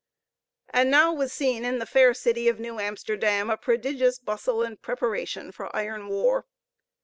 And now was seen in the fair city of New Amsterdam a prodigious bustle and preparation for iron war.